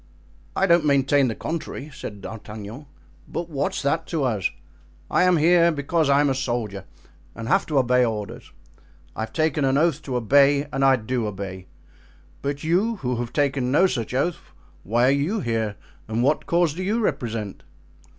"I don't maintain the contrary," said D'Artagnan. "But what's that to us? I am here because I am a soldier and have to obey orders—I have taken an oath to obey, and I do obey; but you who have taken no such oath, why are you here and what cause do you represent?"